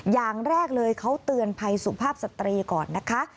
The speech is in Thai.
อย่างแรกเลยเขาเตือนภัยสุภาพสตรีก่อนนะคะ